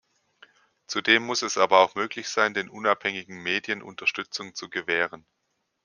Zudem muss es aber auch möglich sein, den unabhängigen Medien Unterstützung zu gewähren.